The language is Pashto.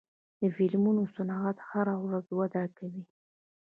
د فلمونو صنعت هره ورځ وده کوي.